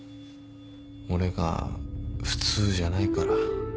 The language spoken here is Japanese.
俺が普通じゃないから。